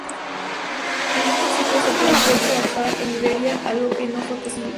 En un principio se planteó trabajar en Iberia, algo que no fue posible.